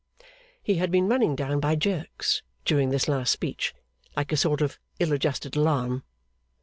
He had been running down by jerks, during his last speech, like a sort of ill adjusted alarum.